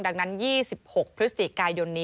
ดังนั้น๒๖พฤศจิกายนนี้